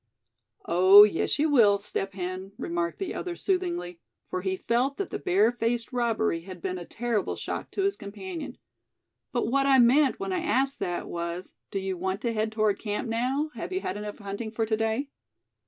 "Oh! yes you will, Step Hen," remarked the other, soothingly, for he felt that the bare faced robbery had been a terrible shock to his companion. "But what I meant when I asked that, was, do you want to head toward camp now; have you had enough hunting for to day?"